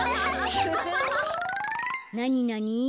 なになに？